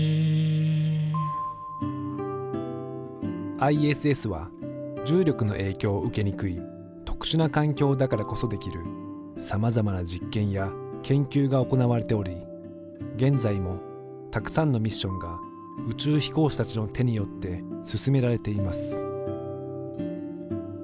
ＩＳＳは重力の影響を受けにくい特殊な環境だからこそできるさまざまな実験や研究が行われており現在もたくさんのミッションが宇宙飛行士たちの手によって進められています。